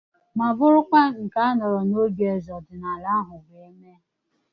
ma bụrụkwa nke a nọrọ n'obi eze ọdịnala ahụ wee mee.